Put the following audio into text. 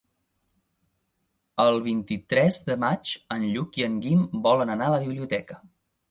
El vint-i-tres de maig en Lluc i en Guim volen anar a la biblioteca.